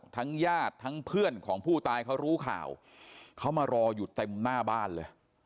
ญาติทั้งเพื่อนของผู้ตายเขารู้ข่าวเขามารออยู่เต็มหน้าบ้านเลย